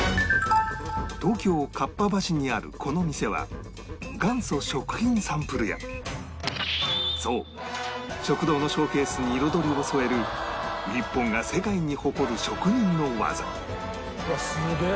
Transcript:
東京合羽橋にあるこの店はそう食堂のショーケースに彩りを添える日本が世界に誇るうわすげえ。